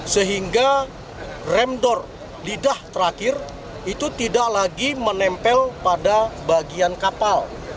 sehingga rem door lidah terakhir itu tidak lagi menempel pada bagian kapal